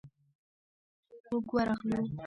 موږ ورغلو.